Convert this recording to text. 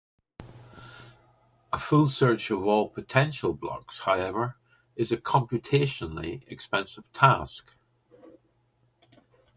A full search of all potential blocks however is a computationally expensive task.